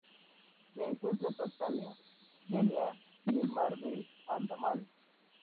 Se encuentra en Tanzania, Kenia y el Mar de Andaman.